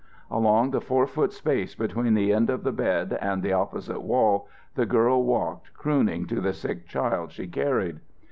Along the four foot space between the end of the bed and the opposite wall the girl walked, crooning to the sick child she carried.